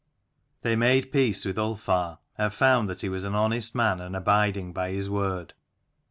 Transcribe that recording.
They made peace with Ulfar, and found that he was an honest man and abiding by his word.